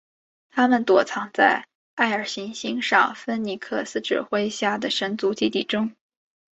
他们躲藏在艾尔行星上芬尼克斯指挥下的神族基地中。